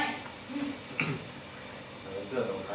นี่ค่ะทุกคน